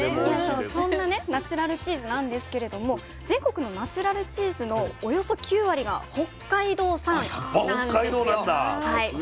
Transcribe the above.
そんなねナチュラルチーズなんですけれども全国のナチュラルチーズのおよそ９割が北海道産なんですよ。